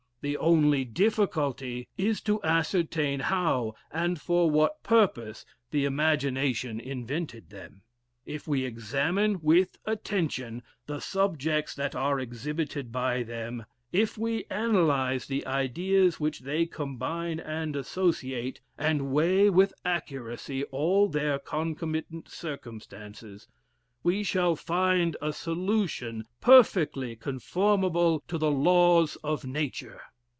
The only difficulty is to ascertain how and for what purpose the imagination invented them. If we examine with attention the subjects that are exhibited by them, if we analyze the ideas which they combine and associate, and weigh with accuracy all their concomitant circumstances, we shall find a solution perfectly conformable to the laws of nature.